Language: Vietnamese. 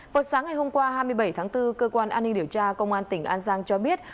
vào sáng ngày hôm qua hai mươi bảy tháng bốn cơ quan an ninh điều tra công an tỉnh an giang cho biết